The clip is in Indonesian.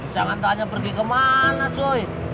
jangan tanya pergi kemana joy